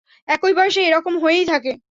এই বয়সে, এরকম হয়েই থাকে!